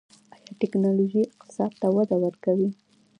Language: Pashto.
آیا ټیکنالوژي اقتصاد ته وده ورکوي؟